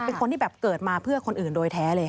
เป็นคนที่แบบเกิดมาเพื่อคนอื่นโดยแท้เลย